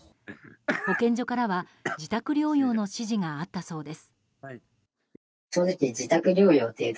保健所からは、自宅療養の指示があったそうです。